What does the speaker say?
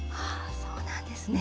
そうなんですね。